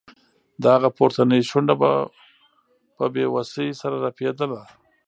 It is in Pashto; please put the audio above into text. د هغه پورتنۍ شونډه په بې وسۍ سره رپیده